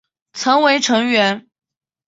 曾为成员。